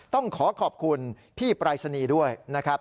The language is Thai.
ต้องขอขอบคุณพี่ปรายศนีย์ด้วยนะครับ